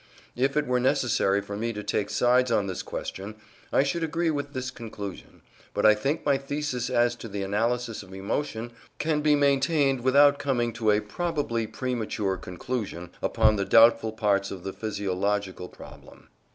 If it were necessary for me to take sides on this question, I should agree with this conclusion; but I think my thesis as to the analysis of emotion can be maintained without coming to a probably premature conclusion upon the doubtful parts of the physiological problem.